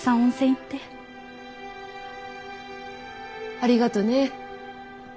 ありがとうね。